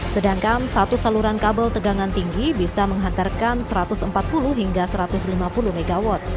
sedangkan satu saluran kabel tegangan tinggi bisa menghantarkan satu ratus empat puluh hingga satu ratus lima puluh mw